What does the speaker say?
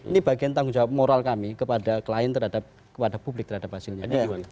ini bagian tanggung jawab moral kami kepada klien kepada publik terhadap hasilnya